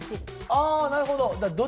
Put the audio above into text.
あなるほど！